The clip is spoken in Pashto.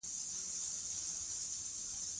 افغانستان کې د رسوب لپاره دپرمختیا پروګرامونه شته.